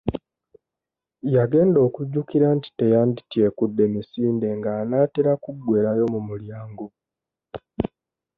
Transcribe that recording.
Yagenda okujjukira nti teyandityekudde misinde nga anaatera kuggwerayo mu mulyango.